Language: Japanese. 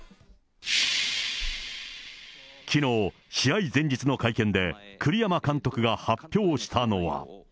きのう、試合前日の会見で、栗山監督が発表したのは。